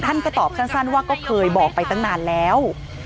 ท่านก็ตอบสั้นว่าก็เคยบอกไปตั้งนานแล้ว